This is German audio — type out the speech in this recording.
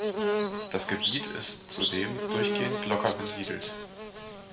Das Gebiet ist zudem durchgehend locker besiedelt.